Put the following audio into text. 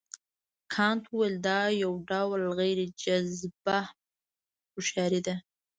کانت وویل دا یو ډول غیر جذابه هوښیاري ده.